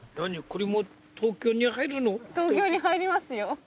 東京に入りますよ。